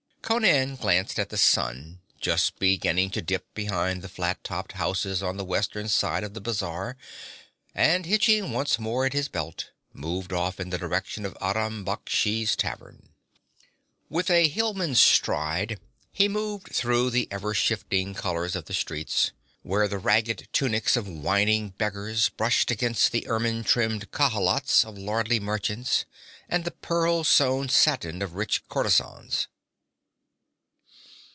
Conan glanced at the sun, just beginning to dip behind the flat topped houses on the western side of the bazar, and hitching once more at his belt, moved off in the direction of Aram Baksh's tavern. With a hillman's stride he moved through the ever shifting colors of the streets, where the ragged tunics of whining beggars brushed against the ermine trimmed khalats of lordly merchants, and the pearl sewn satin of rich courtezans.